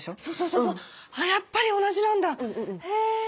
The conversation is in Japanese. そうそうやっぱり同じなんだえ。